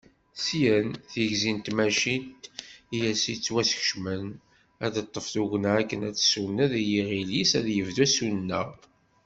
Syin, tigzi n tmacint i as-yettwaskecmen ad d-teṭṭef tugna akken ad tsuneḍ i yiɣil-is ad yebdu asuneɣ.